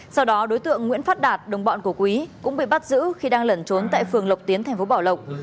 sau đó đối tượng nguyễn phát đạt đồng bọn của quý cũng bị bắt giữ khi đang lẩn trốn tại phường lộc tiến thành phố bảo lộc